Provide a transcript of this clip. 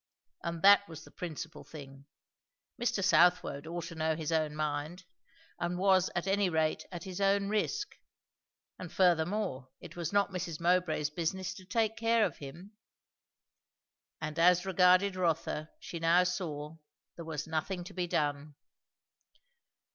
And that was the principal thing; Mr. Southwode ought to know his own mind, and was at any rate at his own risk; and furthermore it was not Mrs. Mowbray's business to take care of him. And as regarded Rotha, she now saw, there was nothing to be done.